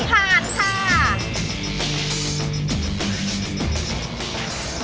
ผ่านค่ะ